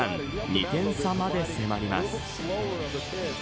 ２点差まで迫ります。